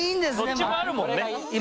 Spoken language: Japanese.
どっちもあるもんね。